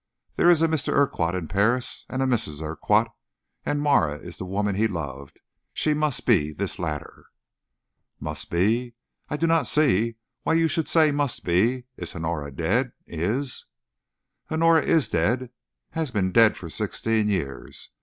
There is a Mr. Urquhart in Paris, and a Mrs. Urquhart. As Marah is the woman he loved, she must be this latter." "Must be? I do not see why you should say must be! Is Honora dead? Is " "Honora is dead has been dead for sixteen years.